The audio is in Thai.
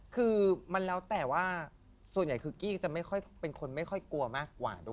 คือมันแล้วแต่ว่าส่วนใหญ่คือกี้จะไม่ค่อยเป็นคนไม่ค่อยกลัวมากกว่าด้วย